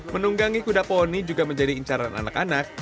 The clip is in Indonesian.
menunggangi kuda poni juga menjadi incaran anak anak